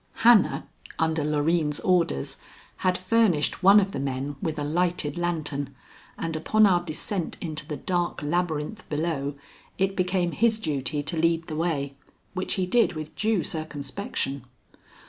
Hannah, under Loreen's orders, had furnished one of the men with a lighted lantern, and upon our descent into the dark labyrinth below, it became his duty to lead the way, which he did with due circumspection.